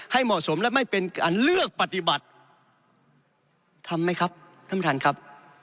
เหมาะสมและไม่เป็นการเลือกปฏิบัติทำไหมครับท่านประธานครับ